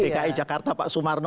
dki jakarta pak sumarno